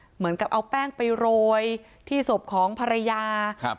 เหมือนกับเอาแป้งไปโรยที่ศพของภรรยาครับ